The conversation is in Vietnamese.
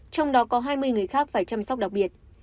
trong đó có hai mươi người khác phải chăm sóc đặc biệt